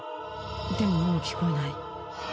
でももう聞こえない